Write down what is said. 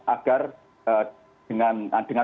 agar dengan adilnya